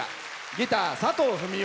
ギター、佐藤文夫。